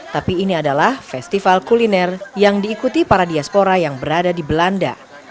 tapi ini adalah festival kuliner yang diikuti para diaspora yang berada di belanda